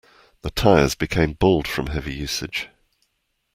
The tires became bald from heavy usage.